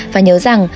và nhớ rằng